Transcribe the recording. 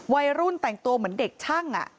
วัยรุ่นแต่งตัวเหมือนเด็กช่าง